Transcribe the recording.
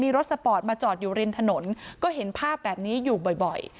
รถสปอร์ตมาจอดอยู่ริมถนนก็เห็นภาพแบบนี้อยู่บ่อย